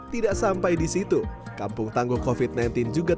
tidak sampai di situ kampung tangguh covid sembilan belas juga telah mengembangkan